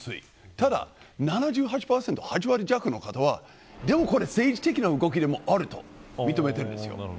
ただ、７８％、８割弱の人はでも、これ政治的な動きでもあると認めているんです。